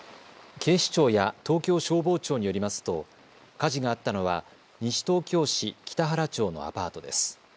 警視庁や東京消防庁によりますと火事があったのは西東京市北原町のアパートです。